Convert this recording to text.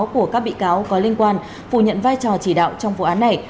của các bị cáo có liên quan phủ nhận vai trò chỉ đạo trong vụ án này